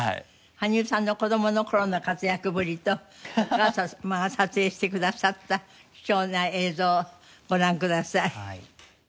羽生さんの子供の頃の活躍ぶりとお母様が撮影してくださった貴重な映像ご覧ください。